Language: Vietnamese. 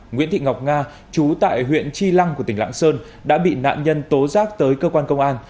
nguyễn thị ngọc nga chú tại huyện chi lăng của tỉnh lạng sơn đã bị nạn nhân tố giác tới cơ quan công an